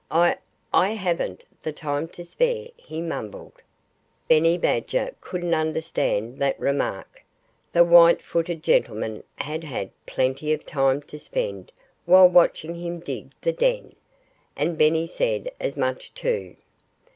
"I I haven't the time to spare," he mumbled. Benny Badger couldn't understand that remark. The white footed gentleman had had plenty of time to spend while watching him dig the den. And Benny said as much, too.